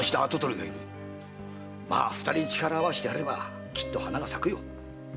まあ二人力を合わせてやればきっと花が咲くよ。